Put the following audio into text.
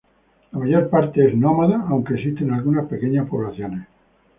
La mayor parte es nómada, aunque existen algunas pequeñas poblaciones.